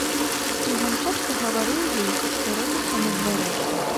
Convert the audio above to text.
І ён часта гаварыў ёй, што робіцца на дварэ.